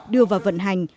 đưa vào vận hành